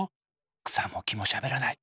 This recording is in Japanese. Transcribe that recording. くさもきもしゃべらない。